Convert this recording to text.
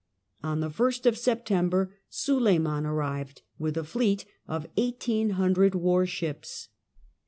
On the 1st of September Suleiman arrived with a fleet of eighteen hundred warships.